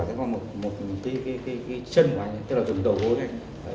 đi cái chân của anh ấy tức là dùng đầu gối anh ấy vào cái phần dưới bụng của tôi